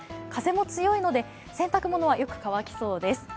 風も強いので洗濯物はよく乾きそうです。